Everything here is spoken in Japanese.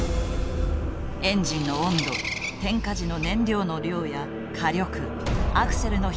エンジンの温度点火時の燃料の量や火力アクセルの開き具合。